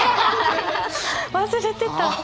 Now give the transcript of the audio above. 忘れてた。